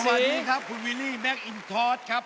สวัสดีครับคุณวิลลี่แมคอินทอสครับ